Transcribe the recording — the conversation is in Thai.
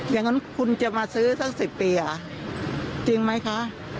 อย่างนั้นคุณจะมาซื้อสัก๑๐ปีจริงไหมคะ